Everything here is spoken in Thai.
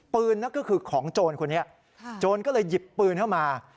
นั่นก็คือของโจรคนนี้โจรก็เลยหยิบปืนเข้ามา